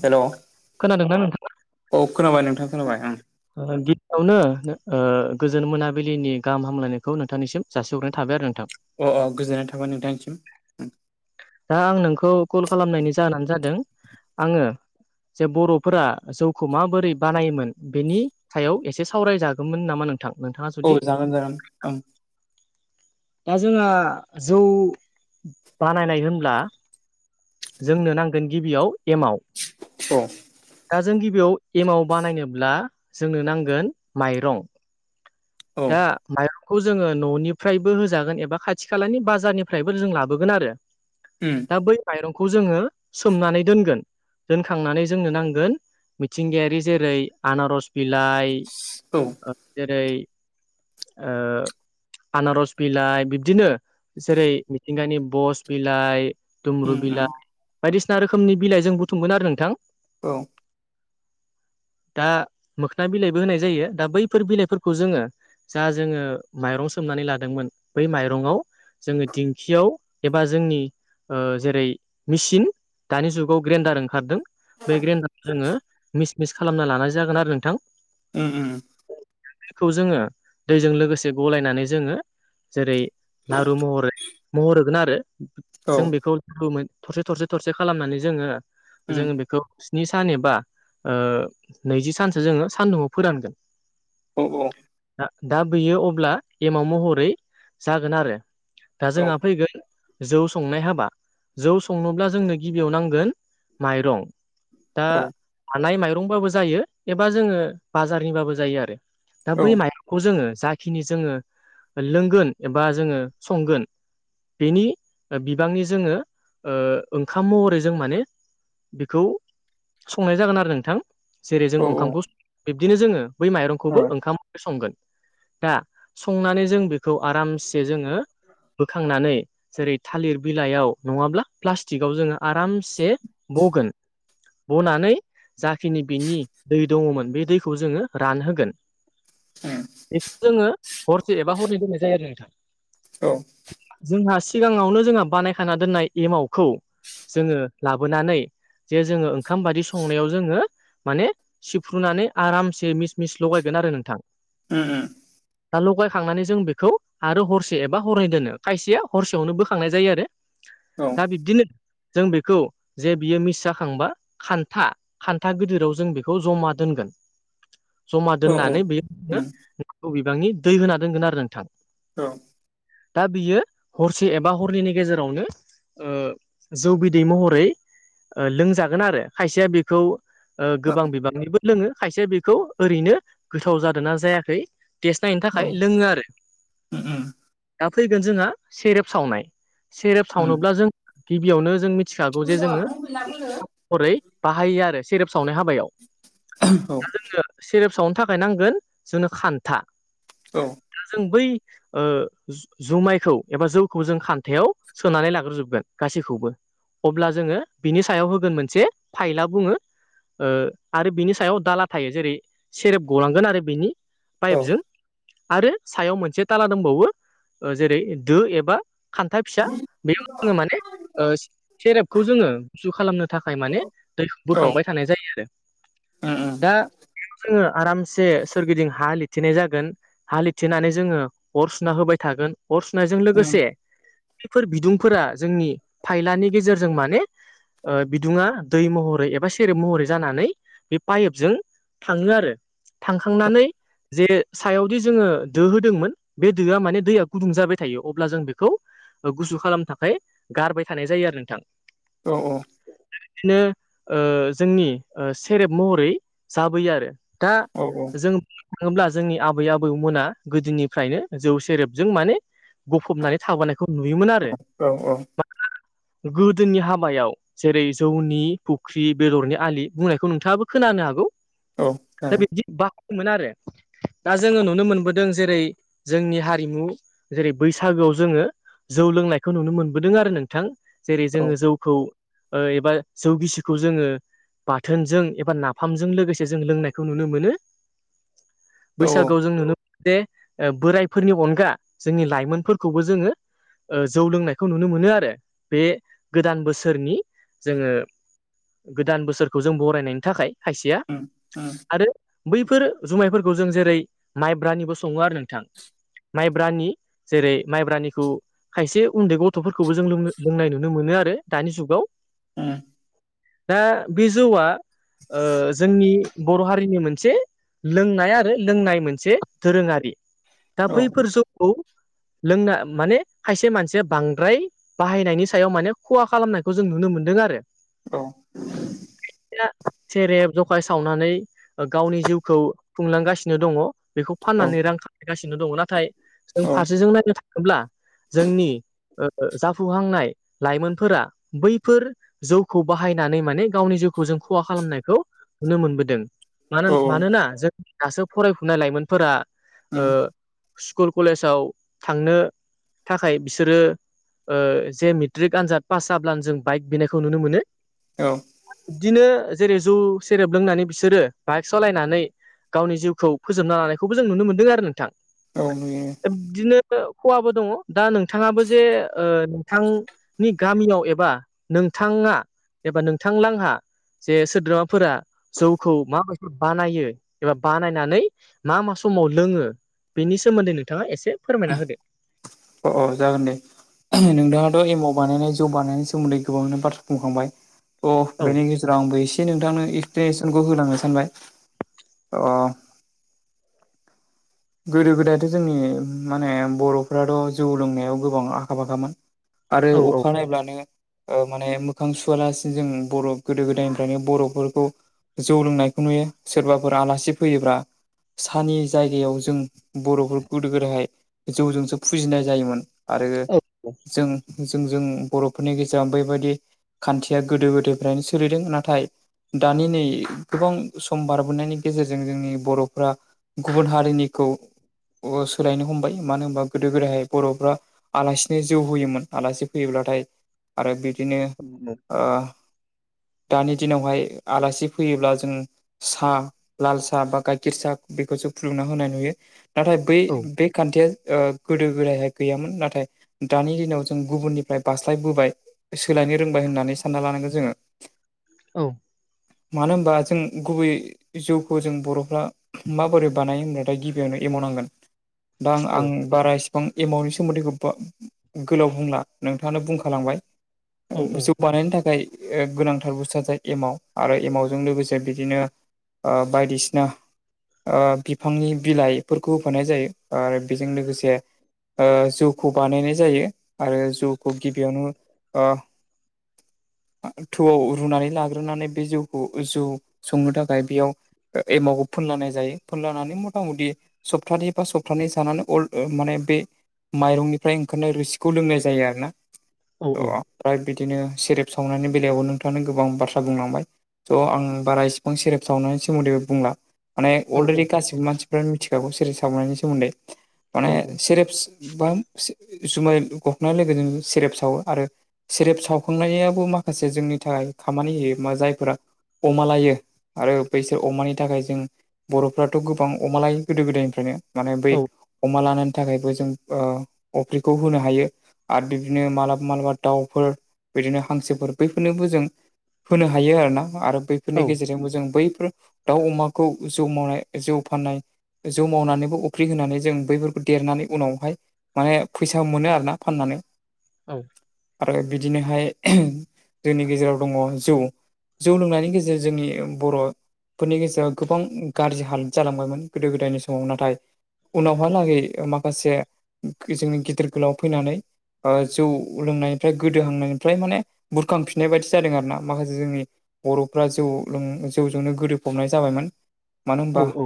हेल' खोनादों नोंथां औ खोनाबाय नोंथां खोनाबाय आं गिबियावनो गोजोन मोनाबिलिनि गाहाम हामलायनायखौ नोंथांनिसिम जासिह्रोनाय थाबाय आरो नोंथां अ अ गोजोननाय थाबाय नोंथांसिम दा आं नोंखौ कल खालामनायनि जाहोनानो जादों आङो जे बर'फोरा जौखौ माबोरै बानायोमोन बेनि सायाव एसे सावरायजागौमोन नामा नों नोंथाङा औ जुदि जागोन जागोन ओं दा जोङहा जौ बानायनाय होनब्ला जोंनो नांगोन गिबियाव एमाव औ दा जों गिबियाव एमाव बानायनोब्ला जोंनो नांगोन माइरं औ दा माइरंखौ जोङो न'निफ्राय बबो होजागोन एबा खाथि खालानि बाजारनिफ्रायबो जों लाबोगोन आरो उम दा बै माइरंखौ जोङो सोमनानै दोनगोन दोनखांनानै जोंनो नांगोन मिथिंगायारि जेरै आनारस बिलाइ औ जेरै आनारस बिलाइ बिब्दिनो जेरै मिथिंगानि बस बिलाइ दुमब्रु उम उम बिलाइ बायदिसिना रोखोमनि बिलाइ जों बुथुमगोन आरो नोंथां औ दा मोखोन बिलाइबो होनाय जायो दा बैफोर बिलाइफोरखौ जोङो जा जोङो माइरं सोमनानै लादोंमोन बै माइरंआव जोङो दिंखियाव एबा जोंनि जेरै मेसिन दानि जुगाव ग्रेन्डार ओंखारदों बे ग्रेन्डारखौ जोङो मिस मिस खालामना लानाय जागोन आरो नोंथां उम उम दैखौ जोङो दैजों लोगोसे गलायनानै जोङो जेरै लारु महर महर होगोन आरो औ जों बेखौ थरसे थरसे थरसे खालामनानै जोङो उम जोङो बेखौ स्नि सान एबा नैजि सानसो जोङो सानदुंआव फोरानगोन अ दा बैयो अब्ला एमाव महरै जागोन आरो दा जोंहा फैगोन जौ संनाय हाबा जौ संनोब्ला जोंनो गिबियाव नांगोन माइरं दा औ हानाय माइरंबाबो जायो एबा जोङो बाजारनिबाबो जायो आरो दा बै माइरंखौ जोङो जाखिनि जोङो लोंगोन एबा जोङो संगोन बेनि बिबांनि जोङो ओंखाम महरै जों माने बेखौ संनाय जागोन आरो नोंथां। जेरै जों औ उम औ उम औ उम औ उम औ उम औ औ जागोन औ ओंखामखौ बिब्दिनो जोङो बै माइरंखौबो औ ओंखाम संगोन। दा संनानै जों बेखौ आरामसे जोङो बोखांनानै जेरै थालिर बिलाइयाव नङाब्ला प्लास्टिकआव जोङो आरामसे बगोन। बनानै जाखिनि बिनि दै दङमोन बे दैखौ जोङो रानहोगोन। बेखौ जोङो हरसे एबा हरनै दोननाय जायो आरो नोंथां। औ। जोंहा सिगाङावनो जोंहा बानायखाना दोननाय एमावखौ जोङो लाबोनानै जे जोङो ओंखाम बादि संनायाव जोङो माने सिफ्रुनानै आरामसे मिस मिस लगायगोन आरो नोंथां। ओ। [unintelligible] खांनानै जों बेखौ आरो हरसे एबा हरनै दोनो खायसेया हरसेयावनो बोखांनाय जायो आरो। दा बिब्दिनो जों बेखौ जे बियो मिस जाखांबा खान्था हान्था गिदिराव जों बेखौ जमा दोनगोन। जमा दोननानै बेयाव जनो नौ बिबांनि दै होना दोनगोन आरो नोंथां। औ। दा बियो हरसे एबा हरनैनि गेजेरावनो जौ बिदै महरै लोंजागोन आरो खायसेया बेखौ गोबां बिबांनिबो लोङो। खायसे बेखौ ओरैनो गोथाव जादों नना जायाखै देसनायनि थाखाय लोङो आरो दा फैगोन जोंहा सेरेब सावनाय सेरेब सावनोब्ला जों गिबियावनो जों मिथिखागौ जे जोङो हरै बाहायो आरो सेरेप सावनाय हाबायाव। दा जोङो सेरेब सावनो थाखाय नांगोन जोंनो खान्था औ। दा जों बै जुमाइखौ एबा जौखौबो जों खान्थायाव सोनानै लाग्रोजोबगोन गासैखौबो। अब्ला जोङो बिनि सायाव होगोन मोनसे फाइला बुङो आरो बिनि सायाव दाला थायो जेरै सेरेब गलांगोन आरो बिनि पाइपजों आरो सायाव मोनसे ताला दंबावो। जेरै- दो एबा खान्था फिसा बेयाव जोङो माने सेरेपखौ जोङो गुसु खालामनो थाखाय माने दै बोखांबाय थानाय जायो आरो। दा जोङो आरामसे सोरगिदिं हा लथिनाय जागोन। हा लिथेनानै जोङो अर सुना होबाय थागोन। अर सुनायजों लोगोसे बेफोर बिदुंफोरा जोंनि फायलानि गेजेरजों माने बिदुुंङा दै महरै एबा सेरेब महरै जानानै बे पाइपजों थाङो आरो। थांखांनानै जे सायावदि जोङो दो होदोंमोन। बे दोआ माने दैया गुदुं जाबाय थायो। अब्ला जों बेखौ गुसु खालामनो थाखाय गारबाय थानाय जायो आरो नोंथां। औ औ। बिदिनो जोंनि सेरेब महरै जाबोयो आरो। दा औ औ। जों बुंनो थाङोब्ला जोंनि आबै आबौमोना गोदोनिफ्रायनो जौ सेरेबजों माने गफबनानै थाबोनाय खौ नुयोमोन आरो गोदोनि हाबायाव जेरै- जौनि फुख्रि बेदरनि आलि बुंनायखौ नोंथाङाबो खोनानो हागौ। दा बिदि बाखदोंमोन आरो। दा जोङो नुनो मोनबोदों। जेरै जोंनि हारिमु जेरै बैसागोआव जोङो जौ लोंनायखौ नुनो मोनबोदों आरो नोंथां जेरै जोङो जौ खौ ओ एबा जौ गिसिखौ जोङो बाथोनजों एबा नाफामजों लोगोसे जों लोंनायखौ नुनो मोनो औ बैसागोआव जों नुनो मोनो बे बोरायफोरनि अनगा जोंनि लाइमोनफोरखौबो जोङो ओ जौ लोंनायखौ नुनो मोनो आरो बे गोदान बोसोरनि जोङो गोदान बोसोरखौ जों बरायनायनि थाखाय खायसेआ उम उम आरो बैफोर जुमायफोरखौ जों जेरै माइब्रानिबो सङो आरो नोंथां माइब्रानि जरै माइब्रानिखौ खायसे उन्दै गथ'फोरखौबो जों लों लोंनाय नुनो मोनो आरो दानि जुगाव उम दा बे जौआ ओ जोंनि बर' हारिनि मोनसे लोंनाय आरो लोंनाय मोनसे दोरोंआरि दा औ बैफोर जौखौ लोंनाय माने खायसे मानसिआ बांद्राय बाहायनायनि सायाव मानि खहा खालामनायखौ जों नुनो मोनदों आरो औ उम सेरेब जखौ सावनानै गावनि ओ जिउखौ खुंलांगासिनो खुलांगासिनो दङ बेखौ फाननानै औ रां खामायगासिनो दङ नाथाय जों औ फारसे नायनो थांओब्ला जों ब्ला जोंनि ओ जाफुहांनाय लाइमोनफोरा बैफोर जौखौ बाहायनानै मानि गावनि जौखौ जों खहा खालामनायखौ नुनो मोनबोदों मा औ मानोना जोंनि दासो फरायफुनाय लाइमोनफोरा ओ उम, स्कुल कलेजाव थांनो थाखाय बिसोरो ओ जे मेट्रिक आनजाद पास जाब्लानो जों बाइक बिनायखौ नुनो मोनो औ इदिनो जेरै जौ सेरेब लोंनानै बिसोरो बाइक सालायनानै गावनि जिउखौ फोजोबना लानायखौबो जों नुनो मोनदों आरो नोंथां औ नुयो इदिनो खहाबो दङ दा नोंथांआबो जे ओ नोंथां नि गामिआव एबा नोंथांआ एबा नोंथांलांहा जे सोद्रोमाफोरा जौखौ माबादि बानायो एबा बानायनानै मा मा समाव लोङो बेनि सोमोन्दै नोंथांआ एसे फोरमायना होदो अ अ जागोन दे उम नोंथांआथ' एमाव बानायनाय जौ बानायनायनि सोमोन्दै गोबांनो बाथ्रा बुंखांबाय अ औ बेनि गेजेराव आंबो एसे नोंथांनो एक्सप्नेसनखौ होलांनो सानबाय अ गोदो गोदायथ' जोंनि उम माने बर'फ्राथ' जौ लोंनायाव गोबां आखा फाखामोन आरो औ औ अखानायब्लानो ओ माने मोखां सुवालासिनो जों बर' गोदो गोदायनिफ्रायनो बर'फोरखौ जौ लोंनायखौ नुयो सोरबाफोर आलासि फैयोब्रा सानि जायगायाव ज जों बर'फोर गोदो गोदायहाय जौजोंसो फुजिनाय जायोमोन आरो औ जों जों जों जों बर'फोरनि गेजेराव बैबादि खान्थिआ गोदो गोदायनिफ्रायनो सोलिदों नाथाय दानि नै गोबां सम बारबोनायनायनि गेजेरजों जोंनि बर'फ्रा गुबुन हारिनिखौ ओ सोलायनो ह'मबाय मानो होनबा गोदो गोदायहाय बर'फ्रा आलासिनो जौ होयोमोन आलासि फैयोब्लाथाय आरो बिदिनो उम ओ दानि दिनावहाय आलासि फैयोब्ला जों साहा लाल साहा बा गाइखेर साहा बेखौसो खुदुंना होनाय नुयो नाथाय बै औ बे खान्थिआ ओ गोदो गोदायहाय गैयामोन नाथाय दानि दिनाव जों गुबुननिफ्राय बास्लायबोबाय सोलायनो रोंबाय होननानै सानना लानांगोन जोङो औ मानो होनबा जों गुबै जौउखौ जों बर'फ्रा माबोरै बानायो होनाय आमफाय गिबिआवनो एमाव नांगोन दा आं औ आं बारा इसिबां एमाउनि सोमोन्दैखौ बा गोलाव बुंला नोंथांआनो बुंखालांबाय औ औ [unintelligible] बानायनो थाखाय गोनांथार बुस्थुआ ज एमाव आरो एमावजों लोगोसे बिदिनो बायदिसिना बिफांनि बिलाइफोरखौ होफानाय जायो आरो बेजों लोगोसे जौखौ बानायनाय जायो आरो जौखौ गिबियावनो थौआव रुनानै लाग्रोनानै बे जौखौ जौ संनो थाखाय बेयाव एमावखौ फुनलानाय जायो फुनलानानै मथा मथि सप्तानै बा सप्तानै जानानै अल माने बे माइरंनिफ्राय ओंखारनाय रुसिखौ लोंनाय जायो आरोना ओमफ्राय बिदिनो सेरेप सावनायनि बेलायावबो नोंथाङा गोबां बाथ्रा बुंलांबाय स' आं बारा इसिबां सेरेब सावनायनि सोमोन्दैबो बुंला माने औ अलरेडि गासिबो मानसिफ्रानो मिथिखागौ सिरिे सावनायनि सोमोन्दै माने सेरेफस बा जुमाय [unintelligible] लोगोजों सेरेब सावो आरो सेरेब सावखांनायाबो माखासे जोंनि थाखाय खामानि होयो मा जायफोरा अमा लायो आरो बैसोर अमानि थाखाय जों बर' बर'फोराथ' गोबां अमा लायो गोदो गोदायनिफ्रायनो माने बै अमा लानानै थाखायबो जों अफ्रिखौ होनो हायो आरो बिदिनो मालाबा माबलाबा दाउफोर बिदिनो हांसोफोर बैफोरनोबो जों होनो हायो आरोना आरो औ बैफोरनि गेजेरजोंबो जों बैफोर दाउ अमाखौ जौ मावनाय जौ फाननाय जौ मावनानैबो अफ्रि होनानै जों बैफोरखौ देरनानै उनावहाय माने फैसा मोनो आरोना फाननानै औ आरो बिदिनोहाय जोंनि गेजेराव दङ जौ जौ लोंनायनि गेजेरजों जोंनि बर'फोरनि गेजेराव गोबां गाज्रि हाल जालांबायमोन गोदो गोदायनि समाव नाथाय उनावहालागै माखासे जोंनि गिदिर गोलाव फैनानै ओ जौ लोंनायनिफ्राय गोदोहांनायनिफ्राय माने बुरखांफिननाय बायदिसो जादों आरो ना माखासे जोंनि बर'फ्रा जौ लों जौजोंनो गोदोफबनाय जाबायमोन मानो औ होनबा औ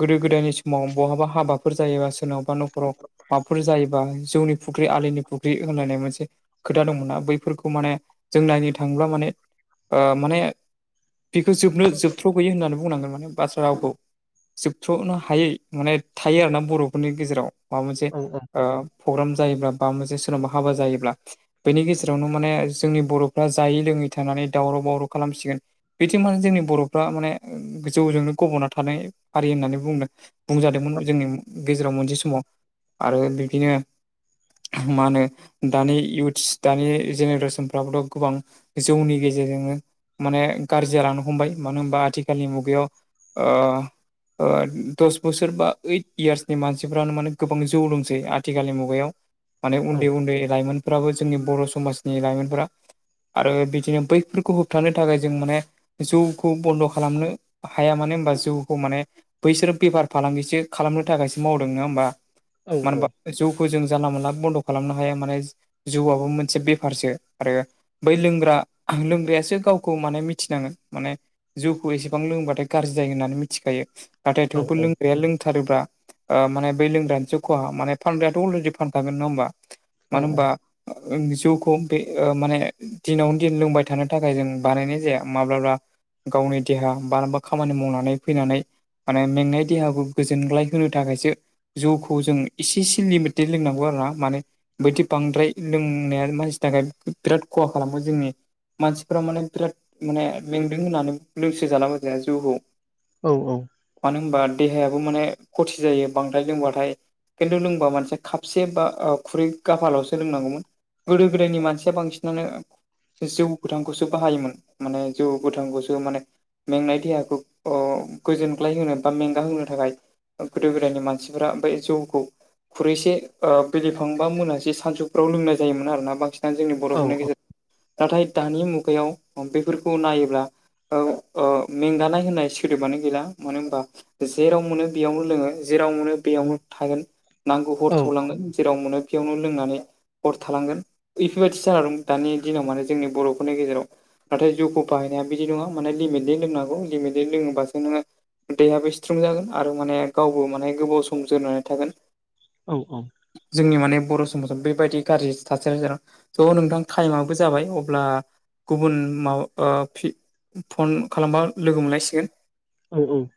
गोदो गोदायनि समाव बहाबा हाबाफोर जायोबा सोरनावबा न'खराव माबाफोर जायोबा जौनि फुख्रि आलिनि फुख्रि होनलायनाय मोनसे खोथा दंमोनना बैफोरखौ माने जों नायनि थाङोब्ला माने ओ माने बेखौ जोबनो जोबथ्र' गैयै होननानै बुंनांगोन माने बाथ्रा रावखौ जोबथ्रनो हायै माने थायो आरो ना बर'फोरनि गेजेराव माबा मोनसे औ औ ओ प्रग्राम जायोब्ला बा मोनसे सोरनाबा हाबा जायोब्ला बेनि गेजेरावनो माने जोंनि बर'फ्रा जायै लोङै थानानै दावराव बावराव खालामसिगोन बिथिं मान जोंनि बर'फ्रा माने ओ जौजोंनो गब'ना थानाय हारि होननानै बुंदों बुंजादोंमोन जोंनि गेजेराव मोनसे समाव आरो बिबदिनो मा होनो दानि इयथ्स दानि जेनेरेसनफ्राबोथ' गोबां जौनि गेजेरजोंनो माने गाज्रि जालांनो हमबाय मानो होनबा आथिखालनि मुगायाव ओ ओ दस बोसोर बा ओइट इयार्सनि मानसिफ्रानो माने गोबां जौ लोंसै आथिखालनि मुगायाव माने औ उन्दै उन्दै लाइमोनफोराबो जोंनि बर' समाजनि लाइमोनफोरा आरो बिदिनो बैफोरखौ होबथानो थाखाय जों माने जौखौ बन्द' खा खालामनो हाया मानो होनबा जौखौ माने बैसोरो बेफार फालांगिसो खालामनो थाखायसो मावदों नङा होमबा औ मानो होनबा जौखौ जों जानला मोनला बन्द' खालामनो हाया माने जौआबो मोनसे बेफारसो आरो बै लोंग्रा लोंग्रायासो गावखौ माने मिथिनांगोन माने जौखौ एसेबां लोङोबाथाय गाज्रि जायो होननानै मिथिखायो नाथाय औ थेवबो लोंग्राया लोंथारोब्ला ओ माने बै लोंग्रानिसो खहा माने फानग्रायाथ' अलरेडि फानखागोन नङा होमबा मानो होमबा [unintelligible] दिनावनो दिन लोंबाय थानो थाखाय जों बानायनाय जाया माब्लाबा गावनि देहा बारबा खामानि मावनानै फैनानै माने मेंनाय देहाखौ गोजोनग्लाय होनो थाखायसो जौखौ जों इसे इसे लिमिटेड लोंनांगौ आरोना मानो बैथि बांद्राय लोंनाया मानसिनि थाखाय बिराद खहा खालामो जोंनि मानसिफ्रा माने बिराद माने मेंदों होननानै लोंसो जालाबायजाया जौखौ औ औ मानो होनबा देहायाबो माने खथि जायो बांद्राय लोंबाथाय खिन्थु लोंबा मानसे खाबसे बा ओ खुरै गाफालावसो लोंनांगौमोन गोदो गोदायनि मानसिया बांसिनानो जौ गोथांखौसो बाहायोमोन माने जौ गोथांखौसो माने मेंनाय देहाखौ अ गोजोन ग्लायहोनो बा मेंगा होनो थाखाय ओ गोदो गोदायनि मानसिफोरा बै जौखौ खुरैसे ओ बिलिफांबा मोनासे सानसुफ्राव लोंनाय जायोमोन आरोना बांसिन दा जोंनि बर'फोरनि गेजेराव नाथाय दानि मुगायाव बेफोरखौ नायोब्ला औ औ मेंगानाय होननाय सोदोबानो गैला। मानो होनबा जेराव मोनो बेयावनो लोंङो जेराव मोनो बेयावनो थागोन। नांगौ हर थलांगोन जेराव मोनो थियावनो लोंनानै हर थालांगोन बेफोरबायदि जानानै दं दानि दिनाव माने जोंनि बर'फोरनि गेजेराव नाथाय जौखौ बाहायनाया बिदि नंङा माने लिमिटलि लोंनांगौ लिमिटलि लोंङोबासो नोंङो दैहायाबो स्ट्रं जागोन आरो माने गावबो माने गोबाव सम जोरनानै थागोन। औ औ जोंनि माने बर' समाजाव बेबायदि गाज्रि थासारि थ' नोंथां टाइम आबो जाबाय अब्ला गुबुन माव ओ फि फन खालामबा लोगो मोनलायसिगोन औ औ